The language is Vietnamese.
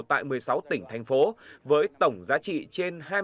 tại một mươi sáu tỉnh thành phố với tổng giá trị trên hai mươi ba